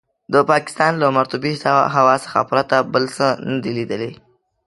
د پاکستان له مرطوبې هوا څخه پرته بل څه نه دي لیدلي.